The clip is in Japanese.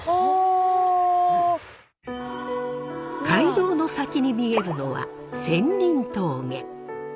街道の先に見えるのは仙人峠。